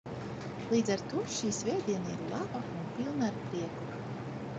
Līdz ar to, šī svētdiena ir laba un pilna ar prieku.